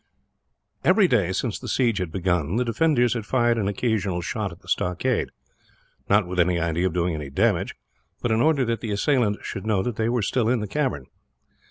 Every day, since the siege had begun, the defenders had fired an occasional shot at the stockade; not with any idea of doing any damage, but in order that the assailants should know that they were still in the cavern.